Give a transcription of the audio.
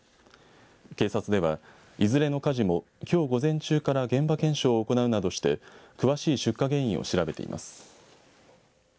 警察では、いずれの火事もきょう午前中から現場検証を行うなどして詳しい出火原因を調べています。